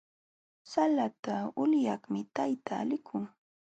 Salata ulyaqmi tayta likun.